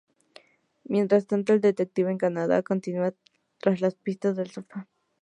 Mientras tanto, el detective, en Canadá, continúa tras la pista del sofá.